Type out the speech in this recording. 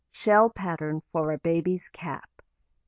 Shell Pattern for a Baby's Cap.